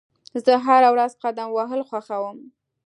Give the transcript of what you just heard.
زه هره ورځ قدم وهل خوښوم.